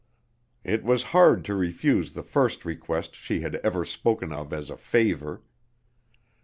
It was hard to refuse the first request she had ever spoken of as a "favor."